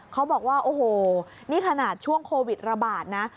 เขาบอกว่าโอ้โหนี่ขนาดช่วงโควิดระบาดนะ